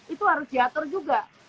itu harus diatur juga